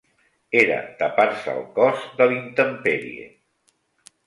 Era tapar-se'l cos de l'intemperie